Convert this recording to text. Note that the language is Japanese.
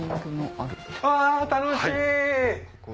あ楽しい！